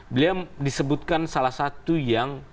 beliau disebutkan salah satu yang